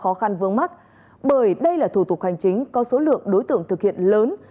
khó khăn vương mắc bởi đây là thủ tục hành chính có số lượng đối tượng thực hiện lớn